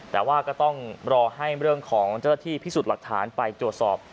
แต่ว่าก็ต้องรอให้เรื่องของเจ้าหน้าที่พิสูจน์หลักฐานไปตรวจสอบ